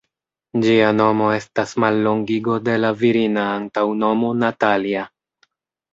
Ĝia nomo estas mallongigo de la virina antaŭnomo "Natalia".